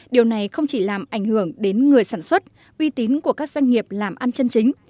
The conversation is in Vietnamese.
điều này không chỉ làm ảnh hưởng đến người sản xuất uy tín của các doanh nghiệp làm ăn chân chính